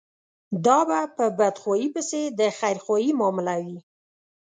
دا به په بدخواهي پسې د خيرخواهي معامله وي.